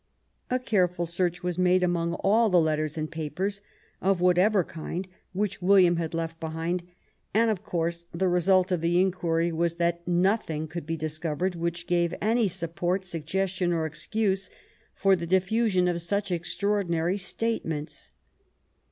A careful search was made among all the letters and papers, of what ever kind, which William had left behind, and, of course, the result of the inquiry was that nothing could be discovered which gave any support, suggestion, or excuse for the diffusion of such extraordinary state ments.